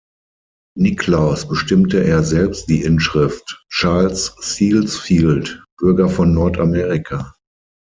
Niklaus bestimmte er selbst die Inschrift „Charles Sealsfield, Bürger von Nord Amerika“.